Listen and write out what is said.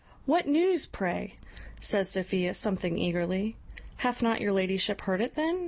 "What news, pray?" says Sophia, something eagerly. "Hath not your ladyship heard it, then?"